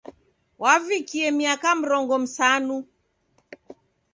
Wavikie miaka mrongo msanu.